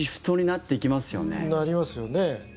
なりますよね。